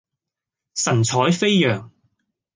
神采飛揚